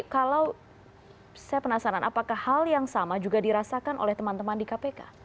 kalau saya penasaran apakah hal yang sama juga dirasakan oleh teman teman di kpk